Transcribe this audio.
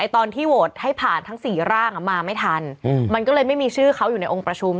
ตอนที่โหวตให้ผ่านทั้ง๔ร่างมาไม่ทันมันก็เลยไม่มีชื่อเขาอยู่ในองค์ประชุม